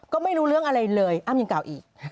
ก็ไม่รู้เรื่องอะไรเลยอ้ำยังกล่าวอีก